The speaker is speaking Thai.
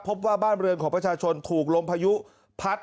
พบว่าบ้านเรือนของประชาชนถูกลมพายุพัด